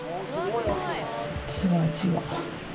じわじわ。